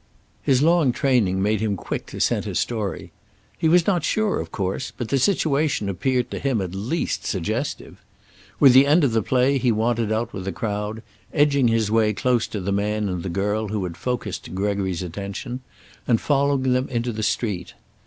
His long training made him quick to scent a story. He was not sure, of course, but the situation appeared to him at least suggestive. With the end of the play he wandered out with the crowd, edging his way close to the man and girl who had focused Gregory's attention, and following them into the street.